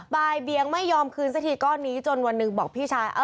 บ่ายเบียงไม่ยอมคืนสักทีก้อนนี้จนวันหนึ่งบอกพี่ชาย